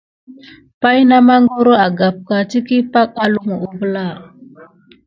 Pay na magoro agamka diki pay holumi kivela.